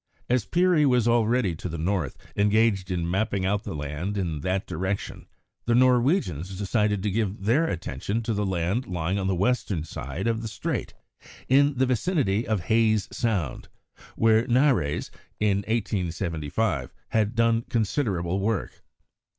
As Peary was already to the north, engaged in mapping out the land in that direction, the Norwegians decided to give their attention to the land lying on the western side of the Strait, in the vicinity of Hayes Sound, where Nares, in 1875, had done considerable work.